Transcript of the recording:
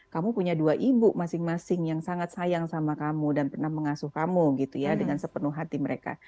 kamu punya dua ibu masing masing yang sangat sayang sama kamu dan pernah mengasuh kamu gitu ya dengan sepenuh hati mereka